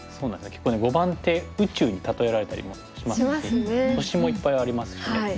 結構碁盤って宇宙に例えられたりもしますし星もいっぱいありますしね。